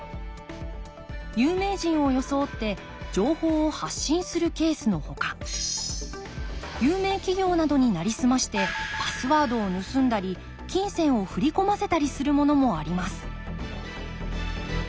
有名人を装って情報を発信するケースのほか有名企業などになりすましてパスワードを盗んだり金銭を振り込ませたりするものもあります